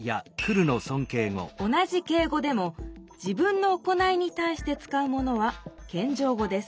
同じ敬語でも自分の行いにたいして使うものはけんじょう語です。